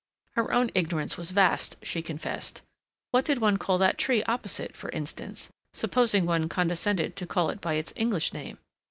Her own ignorance was vast, she confessed. What did one call that tree opposite, for instance, supposing one condescended to call it by its English name?